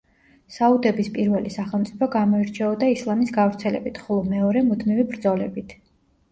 საუდების პირველი სახელმწიფო გამოირჩეოდა ისლამის გავრცელებით, ხოლო მეორე მუდმივი ბრძოლებით.